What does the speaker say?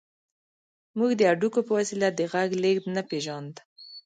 موږ د هډوکي په وسيله د غږ لېږد نه پېژاند.